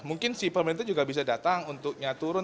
mungkin si pemerintah juga bisa datang untuk nyaturun